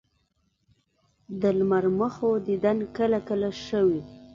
د لمر مخو دیدن کله کله ښه وي